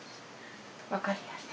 分かりました。